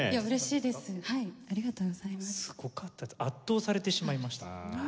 すごかった圧倒されてしまいました。